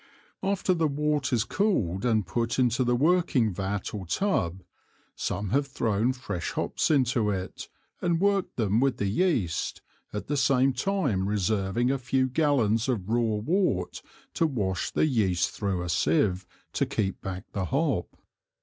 After the Wort is cooled and put into the working Vat or Tub, some have thrown fresh Hops into it, and worked them with the Yeast, at the same time reserving a few Gallons of raw Wort to wash the Yeast thro' a Sieve to keep back the Hop.